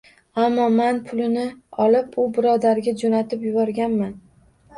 Ammo man pulni olib, u birodarga jo‘natib yuborganman.